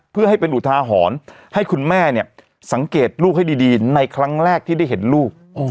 เพื่อให้เป็นอุทาหรณ์ให้คุณแม่เนี่ยสังเกตลูกให้ดีในครั้งแรกที่ได้เห็นลูก